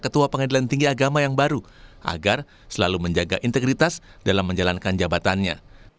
ketua pengadilan tinggi agama yang baru agar selalu menjaga integritas dalam menjalankan jabatannya